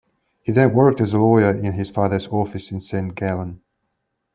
He then worked as a lawyer in his father's office in Saint Gallen.